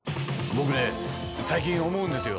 僕ね最近思うんですよ。